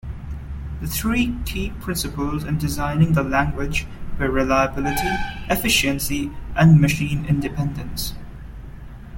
The three key principles in designing the language were reliability, efficiency, and machine-independence.